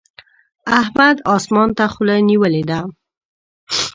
احمد اسمان ته خوله نيولې ده.